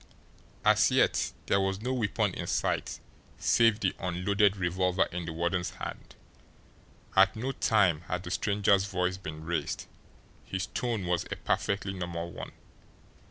As yet there was no weapon in sight, save the unloaded revolver in the warden's hand; at no time had the stranger's voice been raised. His tone was a perfectly normal one.